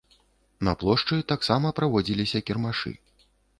На плошчы таксама праводзіліся кірмашы.